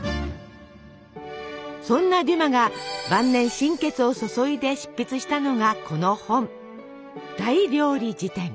そんなデュマが晩年心血を注いで執筆したのがこの本。